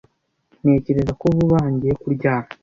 Ntekereza ko vuba aha ngiye kuryama.